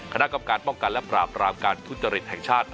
คณะกรรมการป้องกันและปราบรามการทุจริตแห่งชาติ